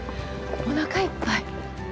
おなかいっぱい。